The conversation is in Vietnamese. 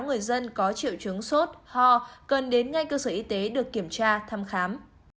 người dân có triệu chứng sốt ho cần đến ngay cơ sở y tế được kiểm tra thăm khám